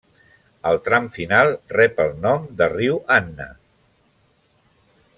Al tram final rep el nom de riu Anna.